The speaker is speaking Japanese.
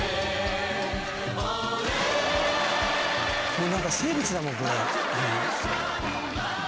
これ何か生物だもんこれ！